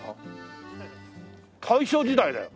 大正時代だよ。